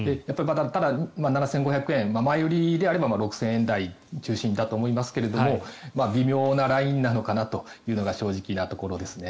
ただ、７５００円前売りであれば６０００円台中心だと思いますが微妙なラインなのかなというのが正直なところです。